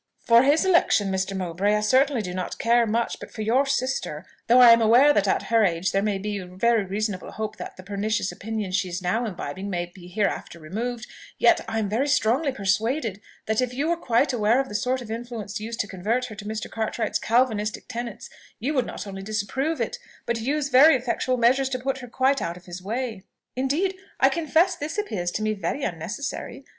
"For his election, Mr. Mowbray, I certainly do not care much; but for your sister though I am aware that at her age there may be very reasonable hope that the pernicious opinions she is now imbibing may be hereafter removed, yet I am very strongly persuaded that if you were quite aware of the sort of influence used to convert her to Mr. Cartwright's Calvinistic tenets, you would not only disapprove it, but use very effectual measures to put her quite out of his way." "Indeed! I confess this appears to me very unnecessary.